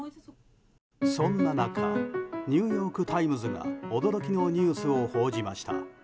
そんな中ニューヨーク・タイムズが驚きのニュースを報じました。